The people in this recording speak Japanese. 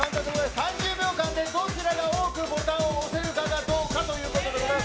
３０秒間でどちらが多くボタンを押せるかどうかということです。